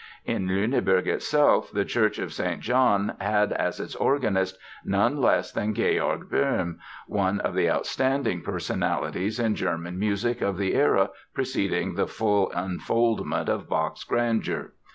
In Lüneburg itself the Church of St. John had as its organist none less than Georg Böhm, one of the outstanding personalities in German music of the era preceding the full unfoldment of Bach's grandeur.